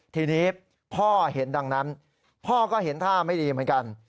ทีนี้พ่อเห็นดังนั้นพ่อก็เห็นท่าไม่ดีเหมือนกัน